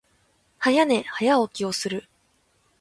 早寝、早起きをする。